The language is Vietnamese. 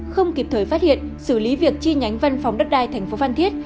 không kịp thời phát hiện xử lý việc chi nhánh văn phòng đất đai thành phố phan thiết